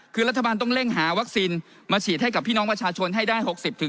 คือรัฐบาลต้องเร่งหาวัคซีนมาฉีดให้กับพี่น้องประชาชนให้ได้๖๐